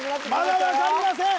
まだ分かりません